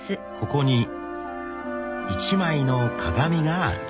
［ここに一枚の鏡がある］